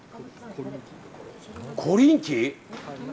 コリンキー？